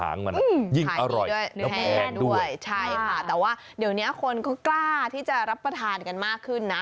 และแพงด้วยใช่ค่ะแต่ว่าเดี๋ยวเนี้ยคนก็กล้าที่จะรับประทานกันมากขึ้นนะ